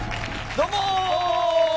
どうも。